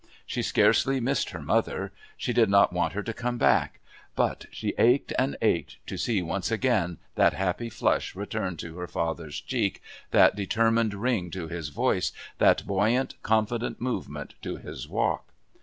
She scarcely missed her mother, she did not want her to come back; but she ached and ached to see once again that happy flush return to her father's cheek, that determined ring to his voice, that buoyant confident movement to his walk.